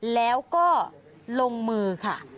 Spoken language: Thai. แล้วก็ลงมือค่ะ